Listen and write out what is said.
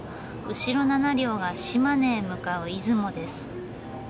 後ろ７両が島根へ向かう出雲です。